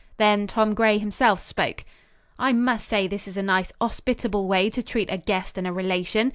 Then Tom Gray himself spoke. "I must say this is a nice 'ospitable way to treat a guest and a relation.